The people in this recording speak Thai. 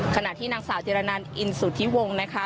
ขณะที่สาวติไดรรนันท์อินสุโธิวงค์นะคะ